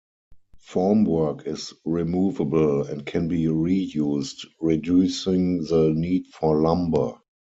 Formwork is removable and can be reused, reducing the need for lumber.